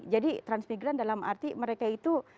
jadi transmigran dalam arti mereka itu